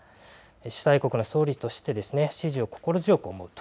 主催国の総理として支持を心強く思うと。